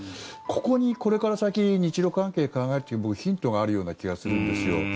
ここに、これから先日ロ関係を考える時にヒントがある気がするんですよ。